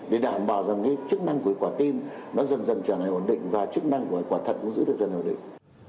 để đảm bảo rằng cái chức năng của quả tim nó dần dần trở nên ổn định và chức năng của quả thật cũng giữ được dần ổn định